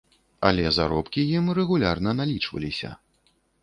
Але заробкі ім рэгулярна налічваліся.